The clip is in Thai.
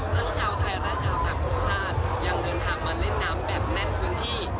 ทั้งชาวไทยและชาวต่างทงชาติยังเดินทางมาเล่นน้ำแบบแน่นพื้นที่